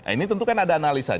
ini tentu kan ada analisa